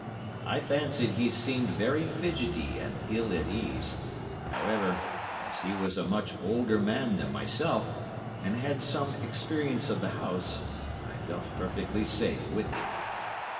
I fancied he seemed very fidgety and ill at ease; however, as he was a much older man than myself, and had some experience of the house, I felt perfectly safe with him.